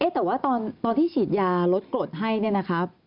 แต่ว่าตอนที่ฉีดยาลดกรดให้เนี่ยนะครับ